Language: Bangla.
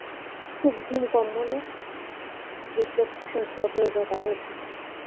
ঘুম খুব কম হলে রিফ্লেক্স অ্যাকশান শ্লথ হয়ে যায়-তা হয়েছে।